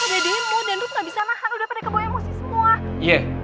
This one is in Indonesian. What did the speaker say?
jangan menanggung kita orang susah dibodohin ya